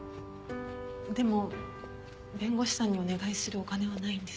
でも弁護士さんにお願いするお金はないんです。